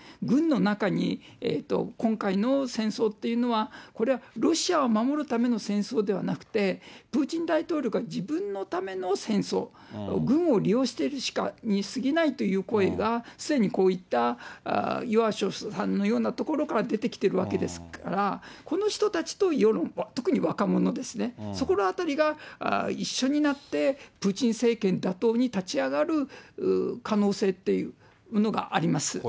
軍の中に、今回の戦争っていうのは、これはロシアを守るための戦争ではなくて、プーチン大統領が自分のための戦争、軍を利用しているにすぎないという声が、すでにこういったイワショフさんのようなところから出てきてるわけですから、この人たちと世論、特に若者ですね、そこのあたりが一緒になって、プーチン政権打倒に立ち上がる可能性っていうのがあります。